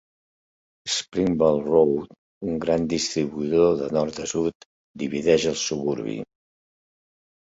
Springvale Road, un gran distribuïdor de nord a sud, divideix el suburbi.